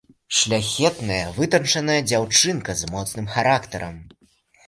Шляхетная вытанчаная дзяўчынка з моцным характарам.